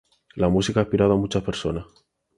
La música ha inspirado a muchas personas